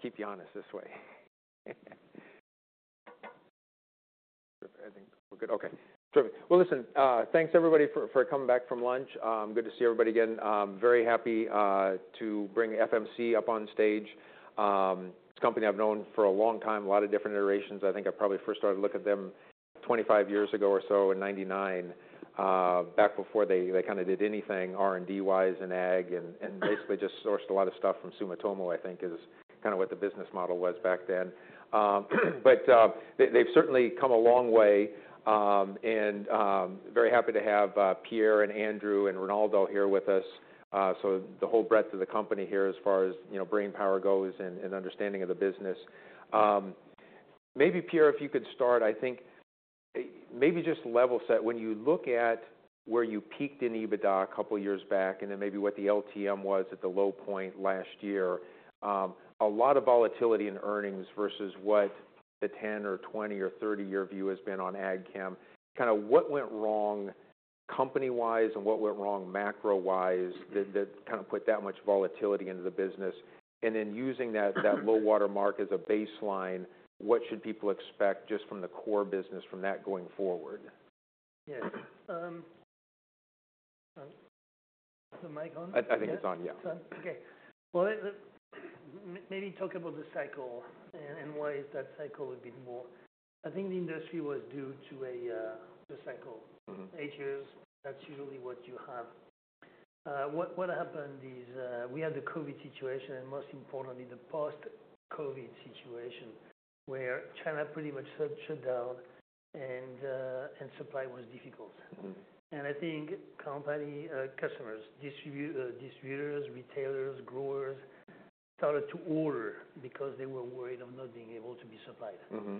All right. Yeah. We'll keep you honest this way. Perfect. I think we're good. Okay. Terrific. Well, listen, thanks everybody for coming back from lunch. Good to see everybody again. Very happy to bring FMC up on stage. It's a company I've known for a long time, a lot of different iterations. I think I probably first started looking at them 25 years ago or so in 1999, back before they kind of did anything R&D-wise in ag and basically just sourced a lot of stuff from Sumitomo. I think is kind of what the business model was back then. But they've certainly come a long way. Very happy to have Pierre and Andrew and Ronaldo here with us, so the whole breadth of the company here as far as you know brain power goes and understanding of the business. Maybe Pierre, if you could start, I think, maybe just level set. When you look at where you peaked in EBITDA a couple years back and then maybe what the LTM was at the low point last year, a lot of volatility in earnings versus what the 10- or 20- or 30-year view has been on ag chem. Kind of what went wrong company-wise and what went wrong macro-wise that kind of put that much volatility into the business? And then using that low watermark as a baseline, what should people expect just from the core business from that going forward? Yes. The mic on? I think it's on. Yeah. It's on. Okay. Well, maybe talk about the cycle and why that cycle would be more. I think the industry was due to the cycle. Mm-hmm. Eight years. That's usually what you have. What happened is, we had the COVID situation and most importantly the post-COVID situation where China pretty much shut down and supply was difficult. Mm-hmm. I think company, customers, distributors, retailers, growers started to order because they were worried of not being able to be supplied. Mm-hmm.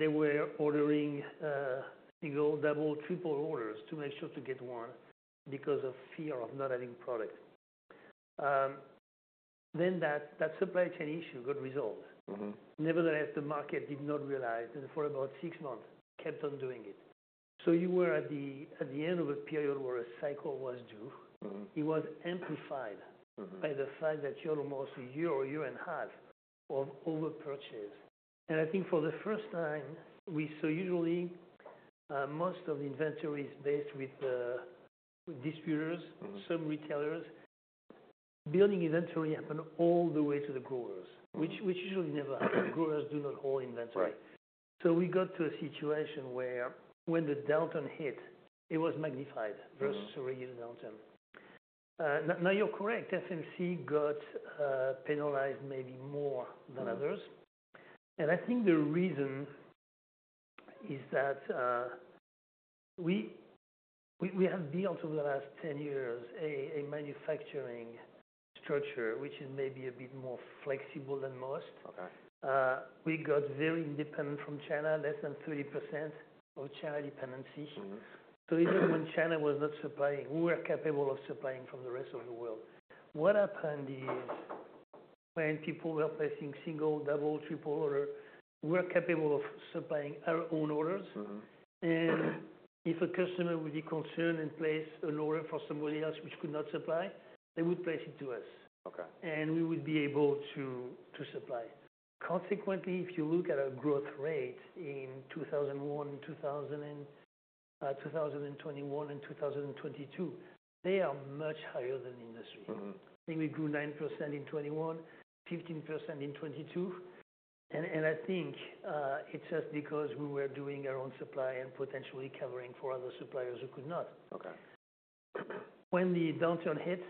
They were ordering single, double, triple orders to make sure to get one because of fear of not having product. That supply chain issue got resolved. Mm-hmm. Nevertheless, the market did not realize that for about six months kept on doing it. So, you were at the end of a period where a cycle was due. Mm-hmm. It was amplified. Mm-hmm. By the fact that you had almost a year or a year and a half of overpurchased. And I think for the first time we saw usually, most of the inventory is based with distributors. Mm-hmm. Some retailers. Building inventory happened all the way to the growers, which usually never happens. Growers do not hold inventory. Right. So we got to a situation where when the downturn hit, it was magnified versus a regular downturn. Mm-hmm. Now you're correct. FMC got penalized maybe more than others. And I think the reason is that we have built over the last 10 years a manufacturing structure which is maybe a bit more flexible than most. Okay. We got very independent from China, less than 30% of China dependency. Mm-hmm. So even when China was not supplying, we were capable of supplying from the rest of the world. What happened is when people were placing single, double, triple order, we were capable of supplying our own orders. Mm-hmm. If a customer would be concerned and place an order for somebody else which could not supply, they would place it to us. Okay. We would be able to supply. Consequently, if you look at our growth rate in 2001, 2021, and 2022 they are much higher than industry. Mm-hmm. I think we grew 9% in 2021, 15% in 2022, and I think it's just because we were doing our own supply and potentially covering for other suppliers who could not. Okay. When the downturn hit,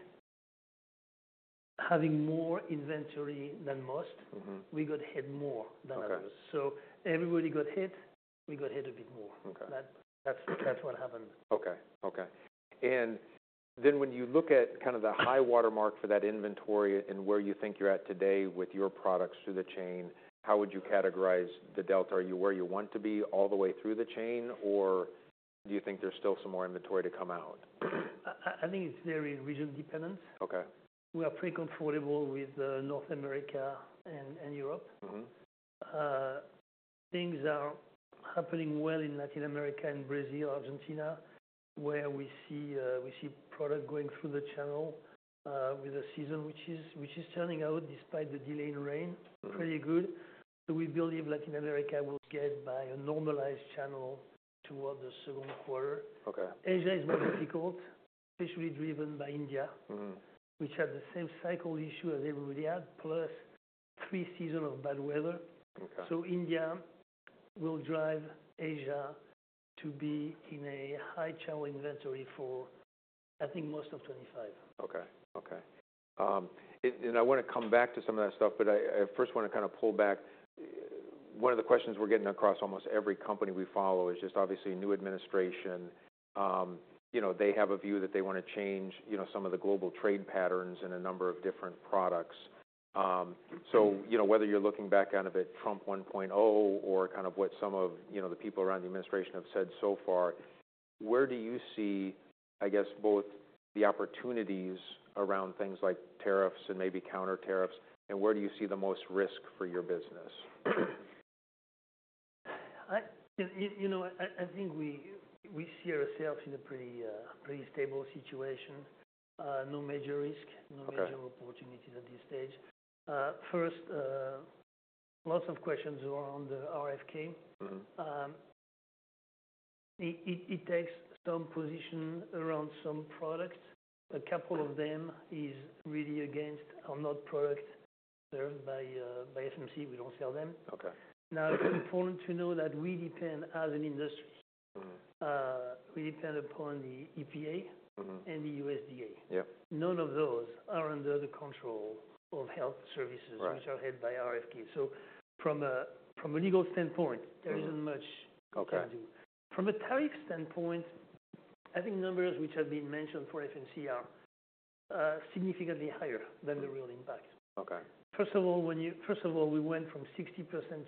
having more inventory than most. Mm-hmm. We got hit more than others. Okay. So, everybody got hit. We got hit a bit more. Okay. That's what happened. Okay. Okay. And then when you look at kind of the high watermark for that inventory and where you think you're at today with your products through the chain, how would you categorize the Delta? Are you where you want to be all the way through the chain, or do you think there's still some more inventory to come out? I think it's very region dependent. Okay. We are pretty comfortable with North America and Europe. Mm-hmm. Things are happening well in Latin America and Brazil, Argentina, where we see product going through the channel, with the season which is turning out despite the delay in rain. Mm-hmm. Pretty good. So, we believe Latin America will get by a normalized channel toward the second quarter. Okay. Asia is more difficult, especially driven by India. Mm-hmm. Which has the same cycle issue as everybody has, plus three seasons of bad weather. Okay. India will drive Asia to be in a high channel inventory for, I think, most of 2025. Okay, and I want to come back to some of that stuff, but I first want to kind of pull back. One of the questions we're getting across almost every company we follow is just obviously new administration. You know, they have a view that they want to change, you know, some of the global trade patterns in a number of different products. So, you know, whether you're looking back kind of at Trump 1.0 or kind of what some of, you know, the people around the administration have said so far, where do you see, I guess, both the opportunities around things like tariffs and maybe counter tariffs, and where do you see the most risk for your business? You know, I think we see ourselves in a pretty stable situation. No major risk. Okay. No major opportunities at this stage. First, lots of questions around the RFK. Mm-hmm. It takes some position around some products. A couple of them is really against our product, not served by FMC. We don't sell them. Okay. Now, it's important to know that we depend as an industry. Mm-hmm. We depend upon the EPA. Mm-hmm. The USDA. Yep. None of those are under the control of health services. Right. Which are held by RFK, so from a legal standpoint, there isn't much. Okay. From a tariff standpoint, I think numbers which have been mentioned for FMC are significantly higher than the real impact. Okay. First of all, we went from 60%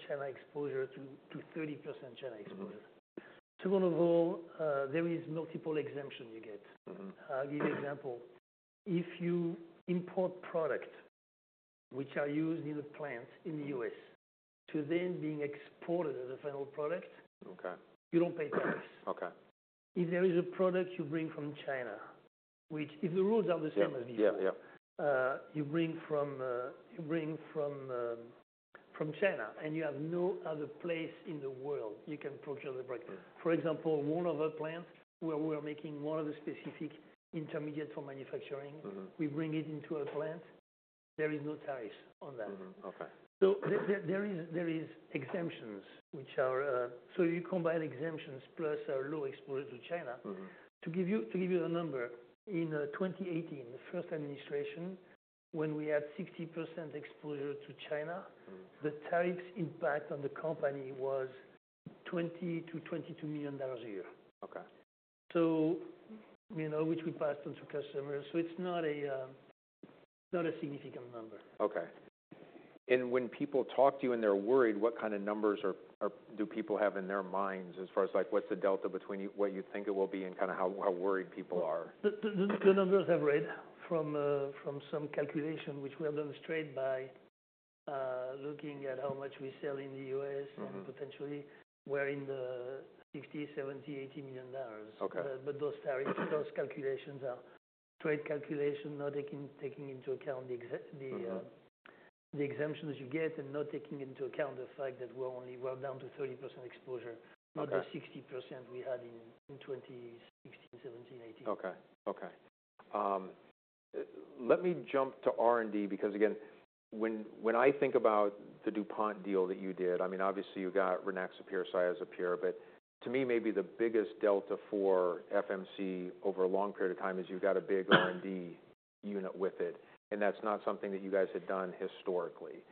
China exposure to 30% China exposure. Mm-hmm. Second of all, there is multiple exemption you get. Mm-hmm. I'll give you an example. If you import product which are used in the plant in the U.S. to then being exported as a final product. Okay. You don't pay tariffs. Okay. If there is a product you bring from China, which if the rules are the same as before. Yeah. Yeah. You bring from China and you have no other place in the world you can procure the product. For example, one of our plants where we are making one of the specific intermediates for manufacturing. Mm-hmm. We bring it into our plant. There is no tariffs on that. Mm-hmm. Okay. There is exemptions which are, so you combine exemptions plus a low exposure to China. Mm-hmm. To give you a number, in 2018, the first administration, when we had 60% exposure to China. Mm-hmm. The tariffs impact on the company was $20 million-$22 million a year. Okay. So, you know, which we passed on to customers. So, it's not a significant number. Okay. And when people talk to you and they're worried, what kind of numbers do people have in their minds as far as, like, what's the Delta between what you think it will be and kind of how worried people are? The numbers I've read from some calculation which we are demonstrated by, looking at how much we sell in the U.S. Mm-hmm. Potentially we're in the $50 million, $70 million, $80 m,illion. Okay. Those tariffs, those calculations are trade calculations, not taking into account. Mm-hmm. The exemptions you get and not taking into account the fact that we're only down to 30% exposure. Okay. Not the 60% we had in 2016, 2017, 2018. Okay. Let me jump to R&D because, again, when I think about the DuPont deal that you did, I mean, obviously, you got Rynaxypyr, Cyazypyr, but to me, maybe the biggest Delta for FMC over a long period of time is you got a big R&D unit with it, and that's not something that you guys had done historically.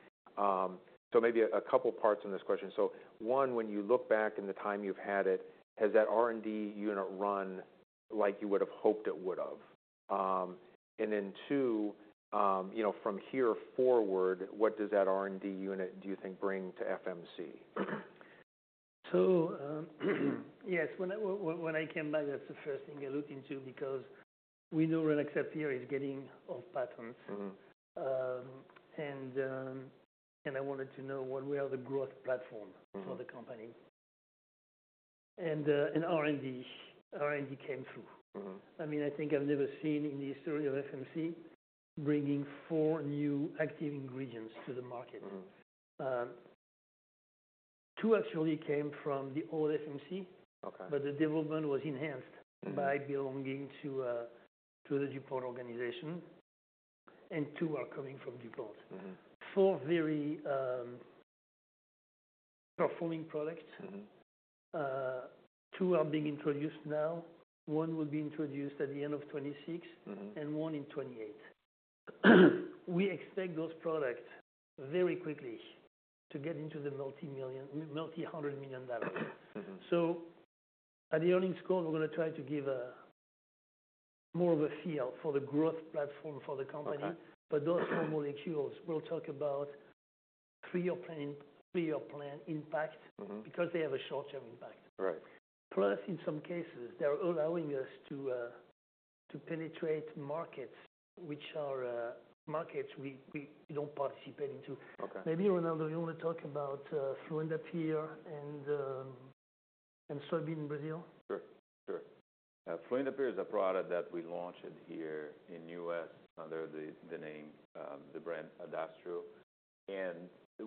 So, maybe a couple parts in this question. One, when you look back in the time you've had it, has that R&D unit run like you would have hoped it would have? And then two, you know, from here forward, what does that R&D unit, do you think, bring to FMC? Yes. When I came back, that's the first thing I looked into because we knew Rynaxypyr is getting off patent. Mm-hmm. I wanted to know what were the growth platform. Mm-hmm. For the company. And R&D came through. Mm-hmm. I mean, I think I've never seen in the history of FMC bringing four new active ingredients to the market. Mm-hmm. Two actually came from the old FMC. Okay. But the development was enhanced. Mm-hmm. By belonging to the DuPont organization. And two are coming from DuPont. Mm-hmm. Four very performing products. Mm-hmm. Two are being introduced now. One will be introduced at the end of 2026. Mm-hmm. One in 2028. We expect those products very quickly to get into the multi-million multi-hundred million dollars. Mm-hmm. So, at the earnings call, we're going to try to give a more of a feel for the growth platform for the company. Okay. But those four molecules, we'll talk about three-year planning three-year plan impact. Mm-hmm. Because they have a short-term impact. Right. Plus, in some cases, they're allowing us to penetrate markets which we don't participate in. Okay. Maybe, Ronaldo, you want to talk about fluindapyr and soybean Brazil? Sure. Sure. fluindapyr is a product that we launched here in the U.S. under the name, the brand Adastrio. And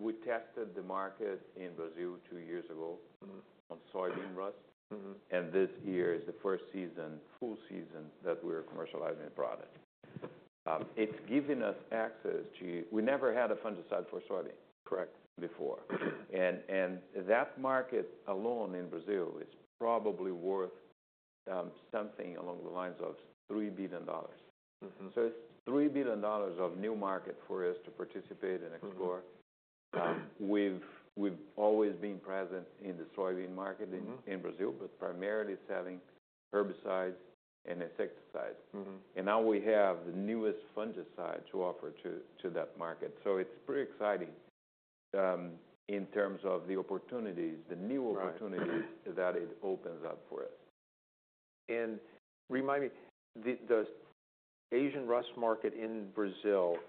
we tested the market in Brazil two years ago. Mm-hmm. On soybean rust. Mm-hmm. This year is the first season, full season that we're commercializing the product. It's given us access to we never had a fungicide for soybean. Correct. That market alone in Brazil is probably worth something along the lines of $3 billion. Mm-hmm. So, it's $3 billion of new market for us to participate and explore. Mm-hmm. We've always been present in the soybean market in. Mm-hmm. In Brazil, but primarily selling herbicides and insecticides. Mm-hmm. Now we have the newest fungicide to offer to that market. It's pretty exciting, in terms of the opportunities, the new opportunities. Right. That it opens up for us. Remind me, the Asian rust market in Brazil, how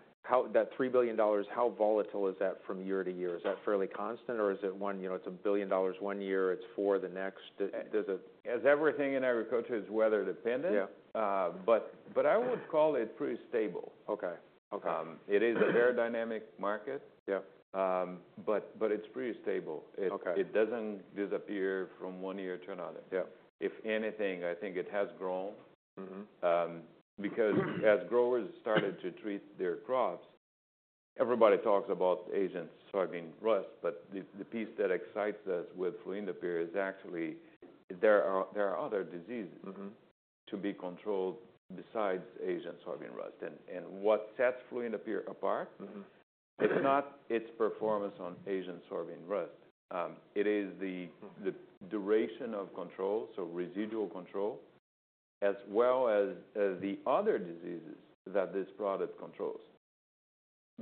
that $3 billion, how volatile is that from year to year? Is that fairly constant, or is it one, you know, it's a billion dollars one year, it's four the next? Does it? As everything in agriculture, it's weather dependent. Yeah. But I would call it pretty stable. Okay. Okay. It is a very dynamic market. Yep. But it's pretty stable. It. Okay. It doesn't disappear from one year to another. Yep. If anything, I think it has grown. Mm-hmm. Because as growers started to treat their crops, everybody talks about Asian soybean rust, but the piece that excites us with fluindapyr is actually there are other diseases. Mm-hmm. To be controlled besides Asian soybean rust and what sets fluindapyr apart. Mm-hmm. It's not its performance on Asian soybean rust. It is the. Mm-hmm. The duration of control, so residual control, as well as, the other diseases that this product controls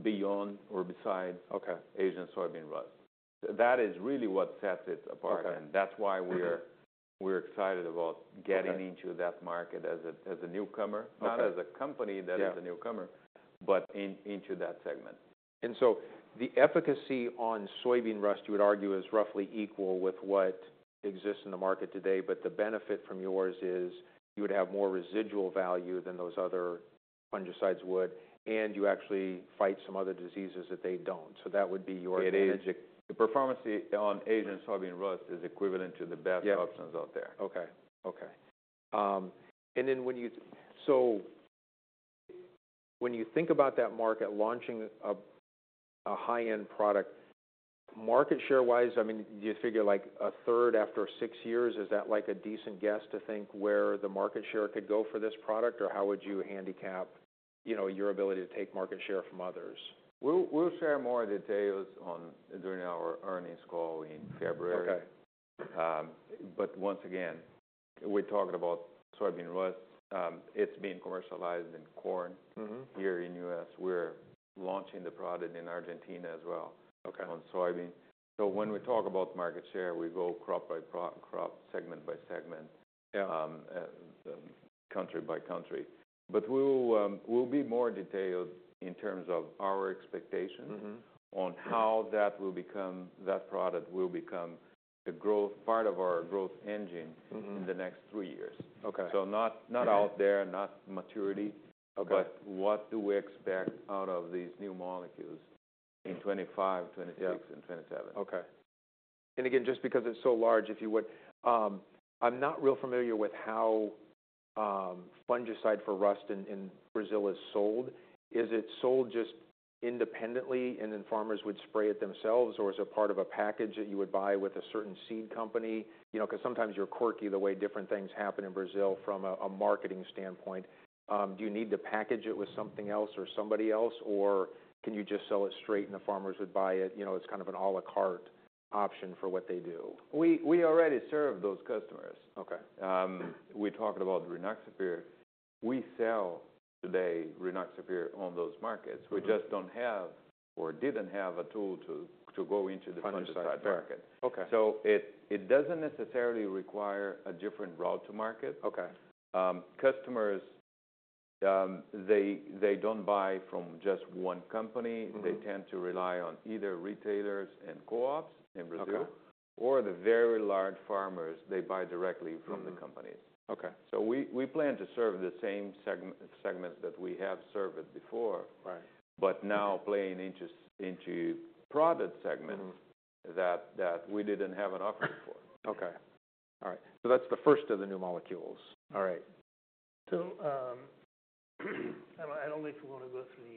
beyond or beside. Okay. Asian soybean rust. That is really what sets it apart. Okay. And that's why we're. Yep. We're excited about getting into that market as a newcomer. Okay. Not as a company that is a newcomer. Yep. But into that segment. And so, the efficacy on soybean rust, you would argue, is roughly equal with what exists in the market today, but the benefit from yours is you would have more residual value than those other fungicides would, and you actually fight some other diseases that they don't. So, that would be your. It is. Magic. The performance on Asian soybean rust is equivalent to the best. Yep. Options out there. Okay. And then when you think about that market launching a high-end product, market share-wise, I mean, do you figure, like, a third after six years, is that, like, a decent guess to think where the market share could go for this product, or how would you handicap, you know, your ability to take market share from others? We'll share more details on during our earnings call in February. Okay. But once again, we're talking about soybean rust. It's being commercialized in corn. Mm-hmm. Here in U.S. We're launching the product in Argentina as well. Okay. On soybean. So, when we talk about market share, we go crop by crop, crop segment by segment. Yep. Country by country. But we'll be more detailed in terms of our expectations. Mm-hmm. On how that product will become a growth part of our growth engine. Mm-hmm. In the next three years. Okay. So, not out there, not maturity. Okay. But what do we expect out of these new molecules in 2025, 2026... Yep. And 2027. Okay. And again, just because it's so large, if you would, I'm not real familiar with how fungicide for rust in Brazil is sold. Is it sold just independently, and then farmers would spray it themselves, or is it part of a package that you would buy with a certain seed company? You know, because sometimes it's quirky the way different things happen in Brazil from a marketing standpoint. Do you need to package it with something else or somebody else, or can you just sell it straight and the farmers would buy it? You know, it's kind of an à la carte option for what they do. We already serve those customers. Okay. We're talking about Rynaxypyr. We sell today Rynaxypyr on those markets. Mm-hmm. We just don't have or didn't have a tool to go into the fungicide market. Okay. So, it doesn't necessarily require a different route to market. Okay. Customers, they don't buy from just one company. Mm-hmm. They tend to rely on either retailers and co-ops in Brazil. Okay. Or the very large farmers. They buy directly from the companies. Okay. We plan to serve the same segments that we have served before. Right. But now playing into product segments. Mm-hmm. That we didn't have an offering for. Okay. All right. So, that's the first of the new molecules. All right. I don't know if you want to go through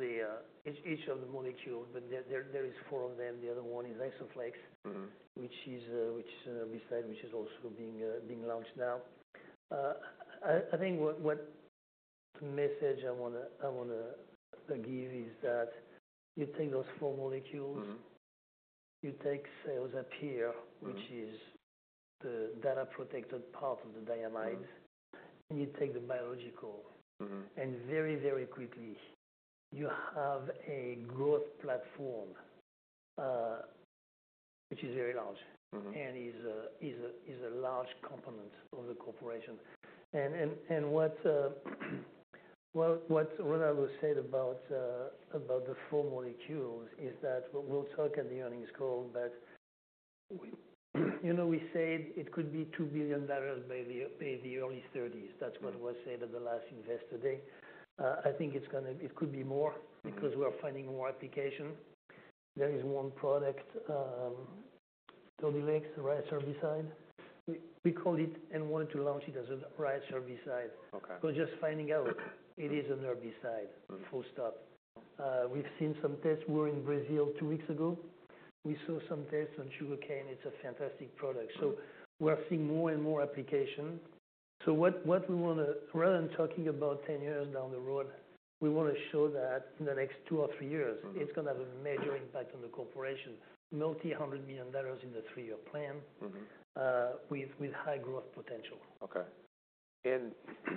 each of the molecules, but there is four of them. The other one is Isoflex. Mm-hmm. Which is an herbicide which is also being launched now. I think what the message I want to give is that you take those four molecules. Mm-hmm. You take Cyazypyr, which is... Mm-hmm. The patent-protected part of the diamide. Mm-hmm. You take the biological. Mm-hmm. Very, very quickly, you have a growth platform, which is very large. Mm-hmm. It is a large component of the corporation. What Ronaldo said about the four molecules is that we'll talk at the earnings call, but, you know, we said it could be $2 billion by the early 2030's. That's what was said at the last investor day. I think it's going to, it could be more because we're finding more application. There is one product, Dodhylex, rice herbicide. We called it and wanted to launch it as a rice herbicide. Okay. We're just finding out it is an herbicide. Mm-hmm. We've seen some tests. We were in Brazil two weeks ago. We saw some tests on sugarcane. It's a fantastic product. So, we're seeing more and more application. So, what we want to, rather than talking about ten years down the road, we want to show that in the next two or three years. Mm-hmm. It's going to have a major impact on the corporation, multi-hundred million dollars in the three-year plan. Mm-hmm. With high growth potential. Okay. And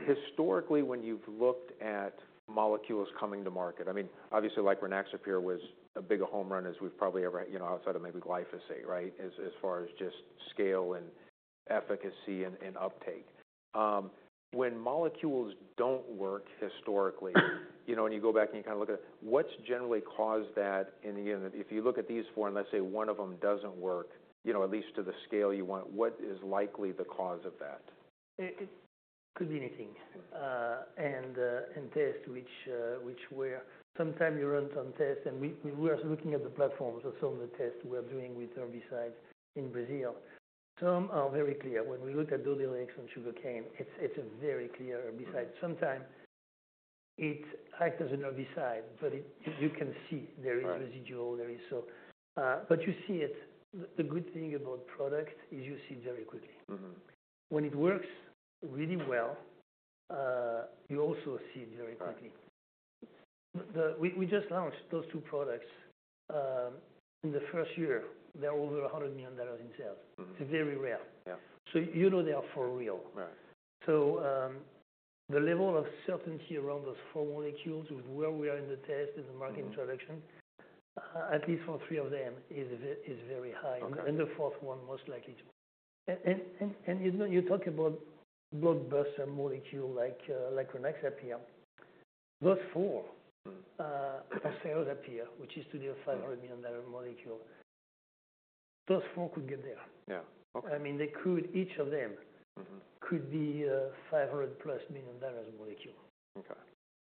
historically, when you've looked at molecules coming to market, I mean, obviously, like Rynaxapyr was a big home run as we've probably ever had, you know, outside of maybe Glyphosate, right, as far as just scale and efficacy and uptake. When molecules don't work historically, you know, and you go back and you kind of look at it, what's generally caused that? And again, if you look at these four and let's say one of them doesn't work, you know, at least to the scale you want, what is likely the cause of that? It could be anything, and tests which were sometimes you run some tests, and we're looking at the platforms of some of the tests we're doing with herbicides in Brazil. Some are very clear. When we look at Dodhylex on sugarcane, it's a very clear herbicide. Sometimes it acts as an herbicide, but you can see there is residual. Right. There is so, but you see it. The good thing about product is you see it very quickly. Mm-hmm. When it works really well, you also see it very quickly. Okay. We just launched those two products in the first year. They're over $100 million in sales. Mm-hmm. It's very rare. Yeah. You know they are for real. Right. So, the level of certainty around those four molecules with where we are in the test and the market introduction, at least for three of them, is very high. Okay. The fourth one most likely to. You know, you talk about blockbuster molecule like, like Rynaxypyr, those four. Mm-hmm. Cyazypyr, which is today a $500 million molecule. Those four could get there. Yeah. Okay. I mean, they could each of them. Mm-hmm. Could be, $500+ million a molecule. Okay.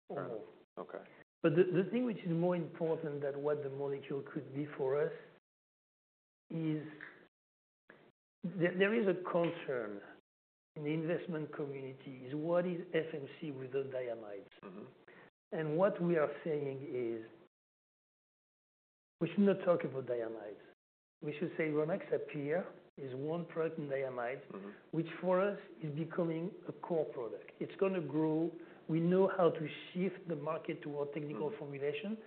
Or more. Okay. But the thing which is more important than what the molecule could be for us is, there is a concern in the investment community: what is FMC with the diamides? Mm-hmm. What we are saying is we should not talk about diamides. We should say Rynaxypyr is one product in diamides. Mm-hmm. Which for us is becoming a core product. It's going to grow. We know how to shift the market toward technical formulation.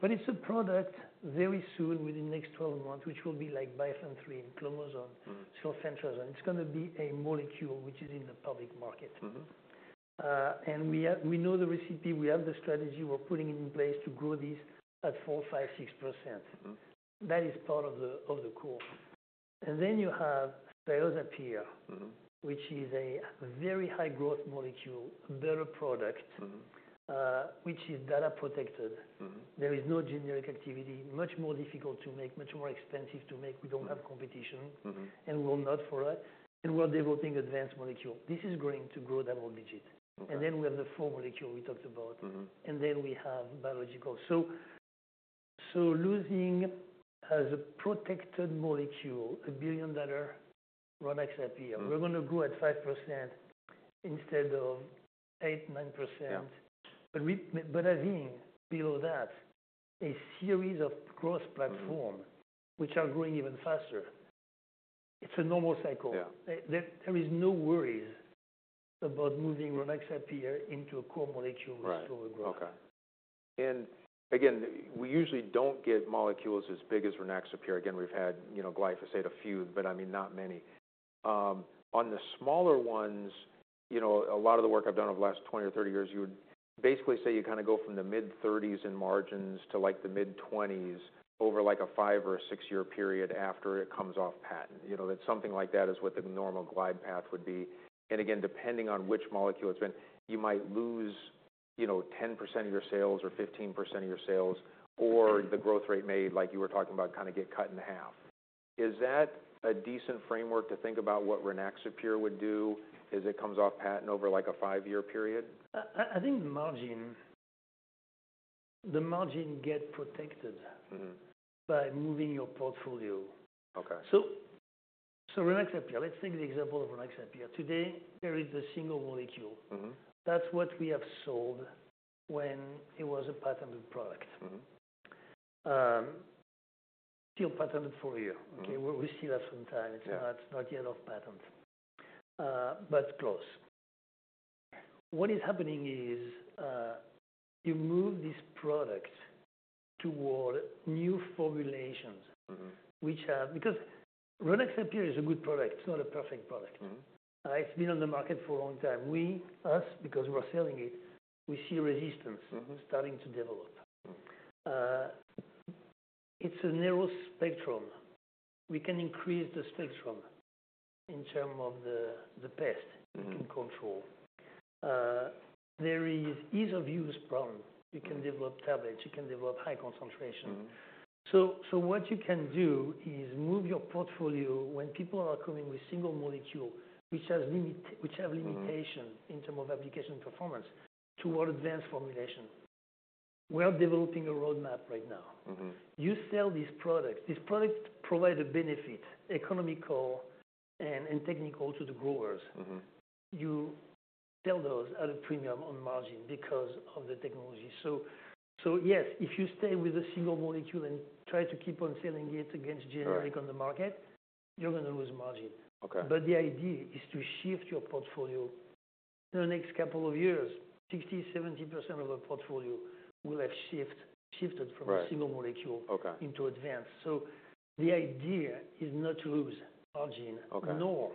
But it's a product very soon within the next twelve months, which will be like Bifenthrin, Clomazone. Mm-hmm. Sulfentrazone. It's going to be a molecule which is in the public market. Mm-hmm. And we know the recipe. We have the strategy. We're putting it in place to grow these at 4%, 5%, 6%. Mm-hmm. That is part of the core, and then you have Cyazypyr, which is a very high-growth molecule, better product. Mm-hmm. Which is data-protected. Mm-hmm. There is no generic activity. Much more difficult to make, much more expensive to make. We don't have competition. Mm-hmm. We're not for that. We're developing advanced molecule. This is going to grow double digit. Okay. We have the four molecules we talked about. Mm-hmm. And then we have Biologicals. So losing as a protected molecule, a billion-dollar Rynaxypyr, we're going to go at 5% instead of 8%-9%. Yeah. But we have below that, a series of growth platforms which are growing even faster. It's a normal cycle. Yeah. There is no worries about moving Rynaxypyr into a core molecule. Right. Which is slower growth. Okay. And again, we usually don't get molecules as big as Rynaxypyr. Again, we've had, you know, Glyphosate a few, but I mean, not many. On the smaller ones, you know, a lot of the work I've done over the last 20 or 30 years, you would basically say you kind of go from the mid-30s in margins to, like, the mid-20s over, like, a 5- or 6-year period after it comes off patent. You know, that something like that is what the normal glide path would be. And again, depending on which molecule it's been, you might lose, you know, 10% of your sales or 15% of your sales. Mm-hmm. Or the growth rate may, like you were talking about, kind of get cut in half. Is that a decent framework to think about what Rynaxypyr would do as it comes off patent over, like, a five-year period? I think the margin gets protected. Mm-hmm. By moving your portfolio. Okay. Rynaxypyr, let's take the example of Rynaxypyr. Today, there is the single molecule. Mm-hmm. That's what we have sold when it was a patented product. Mm-hmm. Still patented for a year. Okay. Okay? We still have some time. Yeah. It's not yet off patent, but close. What is happening is, you move this product toward new formulations. Mm-hmm. Which have because Rynaxypyr is a good product. It's not a perfect product. Mm-hmm. It's been on the market for a long time. We use, because we're selling it, we see resistance. Mm-hmm. Starting to develop. Mm-hmm. It's a narrow spectrum. We can increase the spectrum in terms of the pest. Mm-hmm. We can control. There is ease-of-use problem. You can develop tablets. You can develop high concentration. Mm-hmm. What you can do is move your portfolio when people are coming with single molecules which have limitations in terms of application performance toward advanced formulation. We are developing a roadmap right now. Mm-hmm. You sell these products. These products provide a benefit, economical and technical, to the growers. Mm-hmm. You sell those at a premium on margin because of the technology. So yes, if you stay with a single molecule and try to keep on selling it against generic. Yeah. On the market, you're going to lose margin. Okay. But the idea is to shift your portfolio in the next couple of years. 60%-70% of the portfolio will have shifted from. Right. A single molecule. Okay. Into advanced. So the idea is not to lose margin. Okay. Nor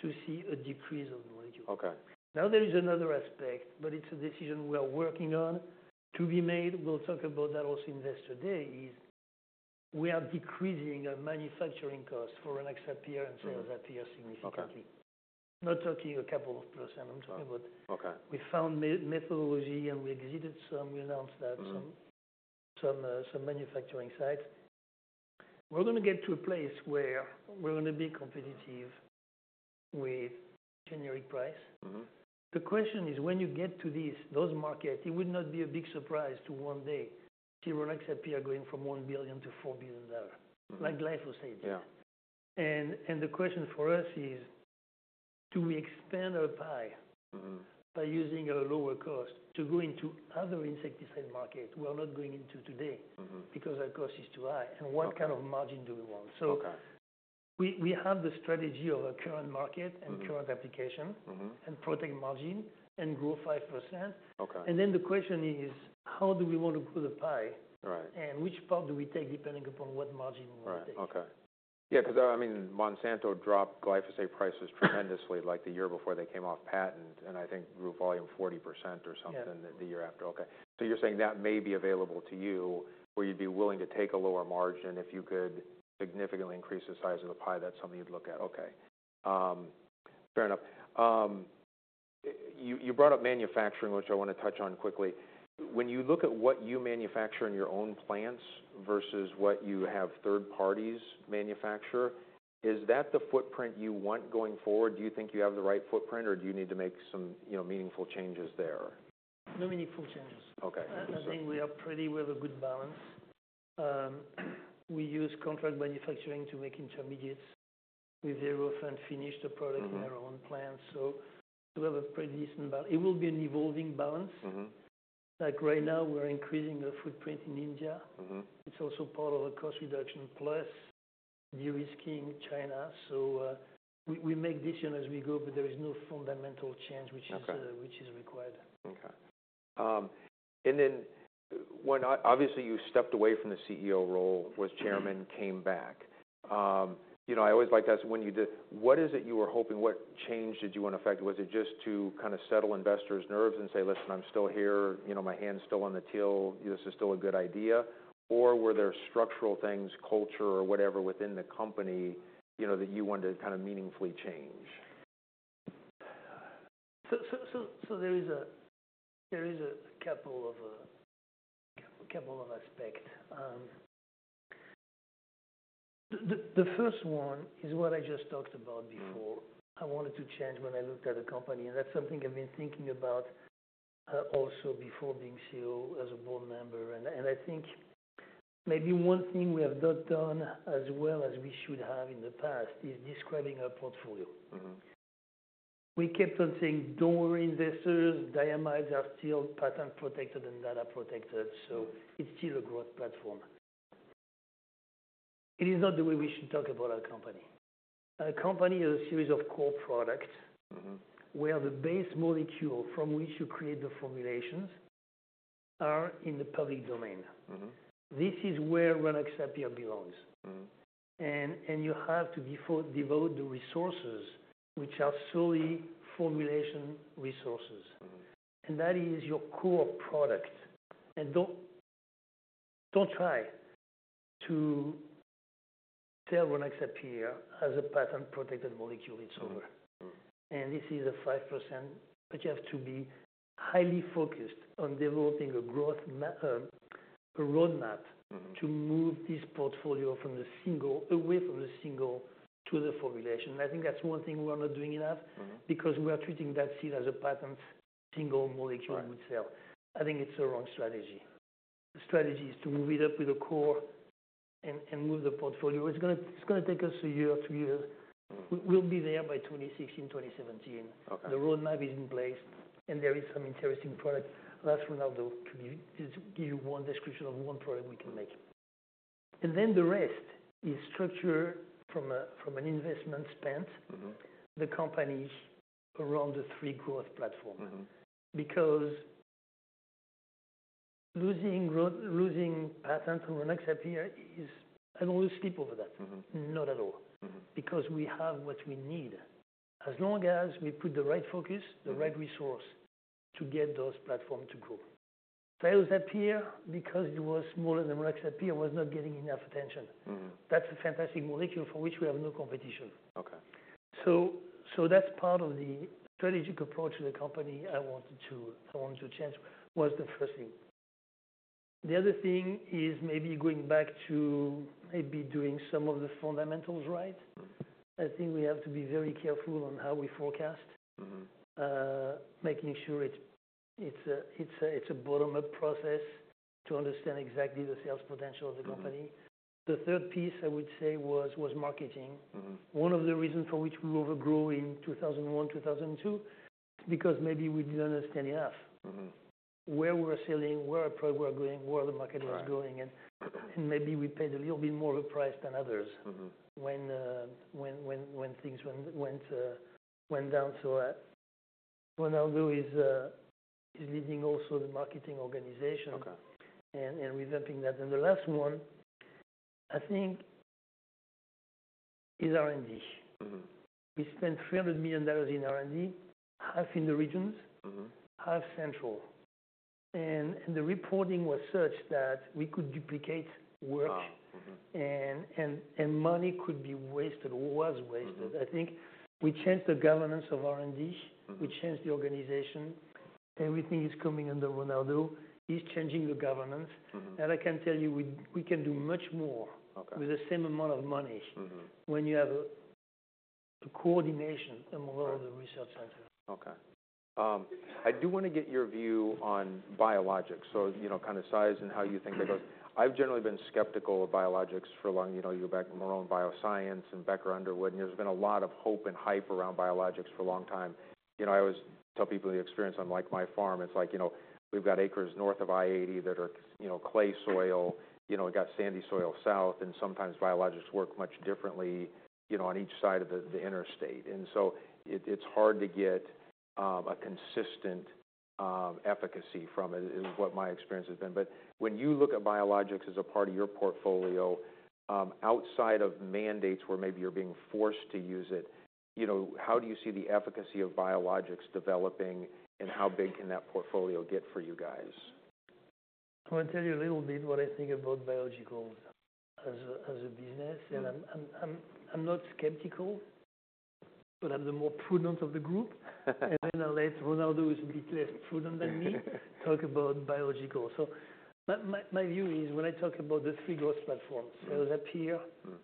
to see a decrease of the molecule. Okay. Now, there is another aspect, but it's a decision we are working on to be made. We'll talk about that also. Investor Day is we are decreasing our manufacturing cost for Rynaxypyr and Cyazypyr significantly. Okay. Not talking a couple of %. I'm talking about. Okay. We found a methodology, and we exited some. We announced that. Mm-hmm. Some manufacturing sites. We're going to get to a place where we're going to be competitive with generic price. Mm-hmm. The question is when you get to these markets, it would not be a big surprise to one day see Rynaxypyr going from $1 billion-$4 billion. Mm-hmm. Like Glyphosate did. Yeah. The question for us is do we expand our pie? Mm-hmm. By using a lower cost to go into other insecticide market we are not going into today. Mm-hmm. Because our cost is too high. Mm-hmm. What kind of margin do we want? Okay. So we have the strategy of our current market. Mm-hmm. And current application. Mm-hmm. Protect margin and grow 5%. Okay. The question is how do we want to grow the pie. Right. Which part do we take depending upon what margin we want to take. Right. Okay. Yeah, because I mean, Monsanto dropped Glyphosate prices tremendously, like, the year before they came off patent, and I think grew volume 40% or something. Yeah. The year after. Okay. So, you're saying that may be available to you where you'd be willing to take a lower margin if you could significantly increase the size of the pie. That's something you'd look at. Okay. Fair enough. You brought up manufacturing, which I want to touch on quickly. When you look at what you manufacture in your own plants versus what you have third parties manufacture, is that the footprint you want going forward? Do you think you have the right footprint, or do you need to make some, you know, meaningful changes there? No meaningful changes. Okay. I think we have a good balance. We use contract manufacturing to make intermediates with zero-fund finished product. Mm-hmm. In our own plants. So, we have a pretty decent balance. It will be an evolving balance. Mm-hmm. Like, right now, we're increasing the footprint in India. Mm-hmm. It's also part of the cost reduction plus de-risking China. So, we make decisions as we go, but there is no fundamental change which is... Okay. ...which is required. Okay. And then when, obviously, you stepped away from the CEO role was. Mm-hmm. Chairman came back. You know, I always like to ask when you did, what is it you were hoping what change did you want to affect? Was it just to kind of settle investors' nerves and say, "Listen, I'm still here. You know, my hand's still on the till. This is still a good idea"? Or were there structural things, culture, or whatever within the company, you know, that you wanted to kind of meaningfully change? There is a couple of aspects. The first one is what I just talked about before. Mm-hmm. I wanted to change when I looked at the company, and that's something I've been thinking about, also before being CEO as a board member. And I think maybe one thing we have not done as well as we should have in the past is describing our portfolio. Mm-hmm. We kept on saying, "Don't worry, investors. Diamides are still patent-protected and data-protected, so it's still a growth platform." It is not the way we should talk about our company. Our company has a series of core products. Mm-hmm. Where the base molecule from which you create the formulations are in the public domain. Mm-hmm. This is where Rynaxypyr belongs. Mm-hmm. You have to devote the resources which are solely formulation resources. Mm-hmm. That is your core product. Don't try to sell Rynaxypyr as a patent-protected molecule. It's over. Mm-hmm. This is 5%, but you have to be highly focused on developing a growth roadmap. Mm-hmm. To move this portfolio from the single to the formulation. I think that's one thing we're not doing enough. Mm-hmm. Because we are treating that seed as a patent single molecule. Right. We would sell. I think it's the wrong strategy. The strategy is to move it up with a core and move the portfolio. It's going to take us a year or two years. Mm-hmm. We'll be there by 2016, 2017. Okay. The roadmap is in place, and there is some interesting product. The last one I'll do to give you is one description of one product we can make. Then the rest is structure from an investment spend. Mm-hmm. The company around the three growth platforms. Mm-hmm. Because losing growth, losing patent on Rynaxypyr is, I don't want to sleep over that. Mm-hmm. Not at all. Mm-hmm. Because we have what we need as long as we put the right focus. Mm-hmm. The right resource to get those platform to grow. Cyazypyr, because it was smaller than Rynaxypyr, was not getting enough attention. Mm-hmm. That's a fantastic molecule for which we have no competition. Okay. That's part of the strategic approach of the company I wanted to change was the first thing. The other thing is maybe going back to maybe doing some of the fundamentals right. Mm-hmm. I think we have to be very careful on how we forecast. Mm-hmm. Making sure it's a bottom-up process to understand exactly the sales potential of the company. Mm-hmm. The third piece I would say was marketing. Mm-hmm. One of the reasons for which we overgrew in 2001, 2002, because maybe we didn't understand enough. Mm-hmm. Where we're selling, where our product we're going, where the market is. Right. Going, and maybe we paid a little bit more of a price than others. Mm-hmm. When things went down. So, what I'll do is leading also the marketing organization. Okay. And revamping that. And the last one, I think, is R&D. Mm-hmm. We spent $300 million in R&D, half in the regions. Mm-hmm. Half Central, and the reporting was such that we could duplicate work. Wow. Mm-hmm. Money could be wasted or was wasted. Mm-hmm. I think we changed the governance of R&D. Mm-hmm. We changed the organization. Everything is coming under Ronaldo. He's changing the governance. Mm-hmm. I can tell you we can do much more. Okay. With the same amount of money. Mm-hmm. When you have a coordination among all the research centers. Okay. I do want to get your view on Biologicals. So, you know, kind of size and how you think that goes. I've generally been skeptical of biologicals for a long, you know, years back in Marrone Bio Innovations and Becker Underwood, and there's been a lot of hope and hype around biologicals for a long time. You know, I always tell people the experience on, like, my farm. It's like, you know, we've got acres north of I-80 that are, you know, clay soil. You know, we've got sandy soil south, and sometimes biologicals works much differently, you know, on each side of the interstate. And so it's hard to get a consistent efficacy from it is what my experience has been. But when you look at biologicals as a part of your portfolio, outside of mandates where maybe you're being forced to use it, you know, how do you see the efficacy of Biologicals developing, and how big can that portfolio get for you guys? I'm going to tell you a little bit what I think about Biologicals as a business. Mm-hmm. I'm not skeptical, but I'm the more prudent of the group. Then I'll let Ronaldo is a bit less prudent than me talk about Biologicals. My view is when I talk about the three growth platforms, Cyazypyr,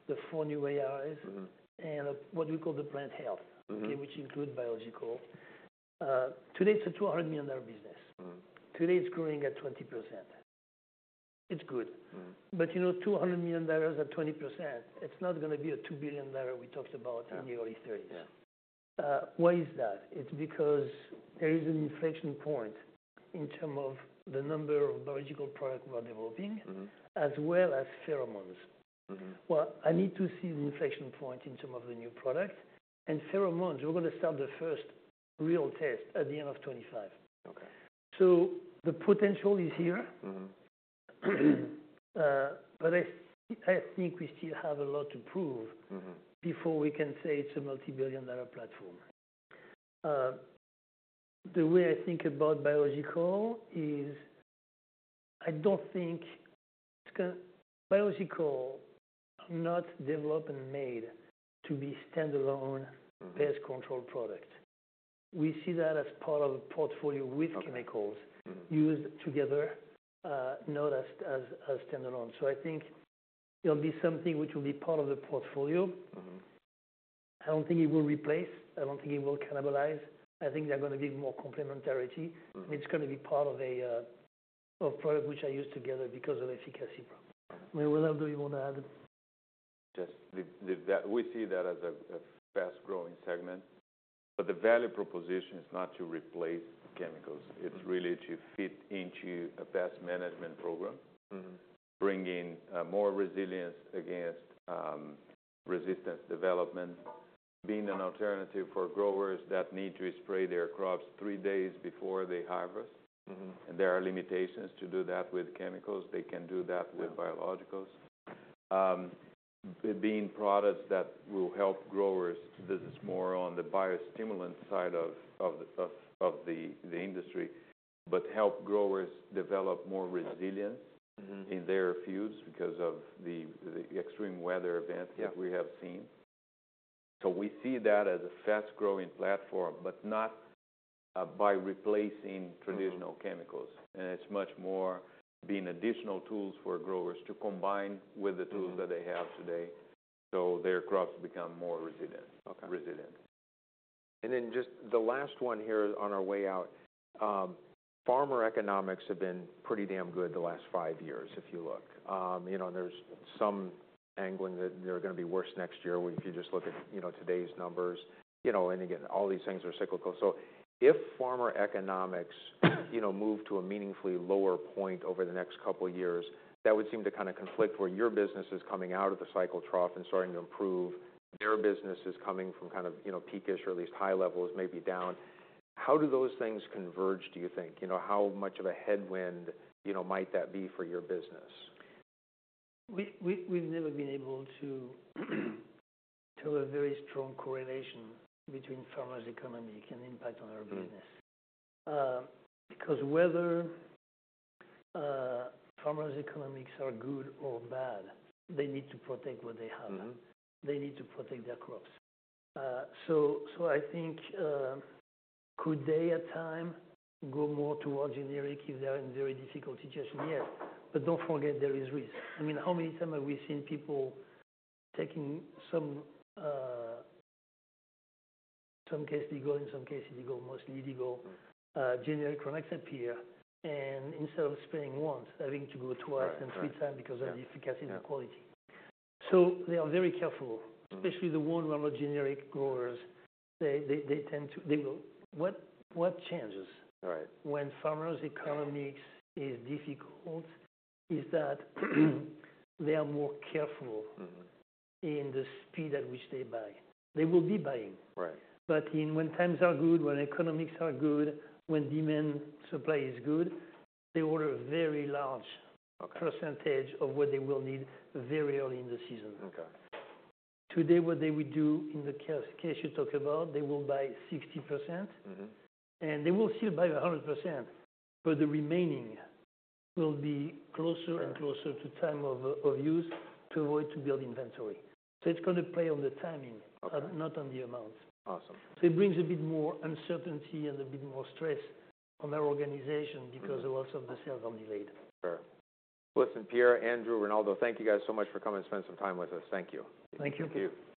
the four new AIs. Mm-hmm. What we call the plant health. Mm-hmm. Okay, which includes biologicals. Today it's a $200 million business. Mm-hmm. Today it's growing at 20%. It's good. Mm-hmm. But you know, $200 million at 20%, it's not going to be a $2 billion dollar we talked about. Yeah. In the early 2030's. Yeah. Why is that? It's because there is an inflection point in terms of the number of Biologicals products we are developing. Mm-hmm. As well as pheromones. Mm-hmm. I need to see the inflection point in terms of the new product. Pheromones, we're going to start the first real test at the end of 2025. Okay. The potential is here. Mm-hmm. But I think we still have a lot to prove. Mm-hmm. Before we can say it's a multi-billion-dollar platform. The way I think about Biologicals is I don't think it's going to Biologicals are not developed and made to be standalone... Mm-hmm. ...Pest control product. We see that as part of a portfolio with chemicals. Mm-hmm. Used together, not as standalone. So, I think it'll be something which will be part of the portfolio. Mm-hmm. I don't think it will replace. I don't think it will cannibalize. I think they're going to be more complementarity. Mm-hmm. It's going to be part of a product which I use together because of efficacy pro. Okay. I mean, Ronaldo, you want to add? Just the fact that we see that as a fast-growing segment, but the value proposition is not to replace chemicals. Mm-hmm. It's really to fit into a best management program. Mm-hmm. Bringing more resilience against resistance development, being an alternative for growers that need to spray their crops three days before they harvest. Mm-hmm. There are limitations to do that with chemicals. They can do that with biologicals. Mm-hmm. Being products that will help growers. This is more on the biostimulant side of the industry, but help growers develop more resilience. Mm-hmm. In their fields because of the extreme weather events that we have seen. Yeah. We see that as a fast-growing platform, but not by replacing traditional chemicals. Mm-hmm. And it's much more being additional tools for growers to combine with the tools that they have today. Mm-hmm. Their crops become more resilient. Okay. Resilient. And then just the last one here on our way out, farmer economics have been pretty damn good the last five years if you look. You know, and there's some angling that they're going to be worse next year if you just look at, you know, today's numbers. You know, and again, all these things are cyclical. So if farmer economics, you know, move to a meaningfully lower point over the next couple of years, that would seem to kind of conflict where your business is coming out of the cycle trough and starting to improve. Their business is coming from kind of, you know, peak-ish or at least high levels, maybe down. How do those things converge, do you think? You know, how much of a headwind, you know, might that be for your business? We've never been able to tell a very strong correlation between farmer's economy and impact on our business. Mm-hmm. Because whether farmers' economics are good or bad, they need to protect what they have. Mm-hmm. They need to protect their crops. I think, could they at times go more towards generic if they're in very difficult situation? Yes. But don't forget there is risk. I mean, how many times have we seen people taking some cases legal, some cases illegal, mostly legal, generic Rynaxypyr, and instead of spraying once, having to go twice and three times. Mm-hmm. Because of the efficacy and the quality, so they are very careful. Mm-hmm. Especially the ones who are not generic growers. They tend to. They will. What changes. Right. When farmers' economics is difficult, it is that they are more careful. Mm-hmm. In the speed at which they buy. They will be buying. Right. But when times are good, when economics are good, when demand supply is good, they order a very large. Okay. Percentage of what they will need very early in the season. Okay. Today, what they would do in the case you talk about, they will buy 60%. Mm-hmm. They will still buy 100%, but the remaining will be closer and closer to time of use to avoid to build inventory, so it's going to play on the timing...... Okay. ...not on the amount. Awesome. So it brings a bit more uncertainty and a bit more stress on our organization. Mm-hmm. Because a lot of the sales are delayed. Sure. Listen, Pierre, Andrew, Ronaldo, thank you guys so much for coming and spending some time with us. Thank you. Thank you. Thank you.